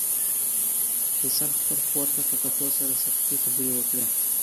فیصل خپلې خور ته په کتو سره سختې خبرې وکړې.